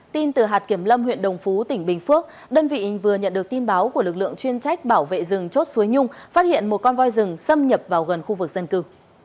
tin từ hạt kiểm lâm huyện đồng phú tỉnh bình phước đơn vị vừa nhận được tin báo của lực lượng chuyên trách bảo vệ rừng chốt suối nhung phát hiện một con voi rừng xâm nhập vào gần khu vực dân cư